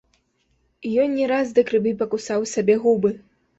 І ён не раз да крыві пакусаў сабе губы.